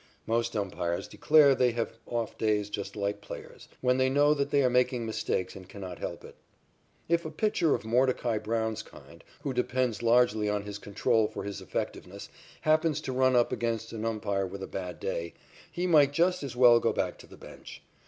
Most umpires declare they have off days just like players, when they know that they are making mistakes and cannot help it. If a pitcher of Mordecai Brown's kind, who depends largely on his control for his effectiveness, happens to run up against an umpire with a bad day, he might just as well go back to the bench.